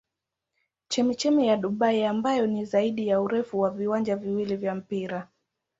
Chemchemi ya Dubai ambayo ni zaidi ya urefu wa viwanja viwili vya mpira.